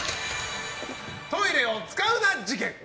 トイレを使うな！事件。